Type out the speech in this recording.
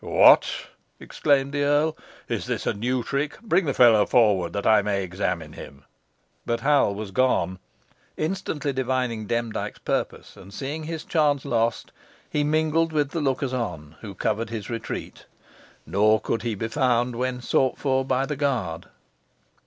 "What!" exclaimed the earl, "is this a new trick? Bring the fellow forward, that I may examine him." But Hal was gone. Instantly divining Demdike's purpose, and seeing his chance lost, he mingled with the lookers on, who covered his retreat. Nor could he be found when sought for by the guard.